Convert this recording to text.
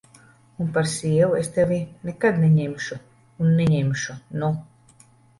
Un par sievu es tevi nekad neņemšu un neņemšu, nu!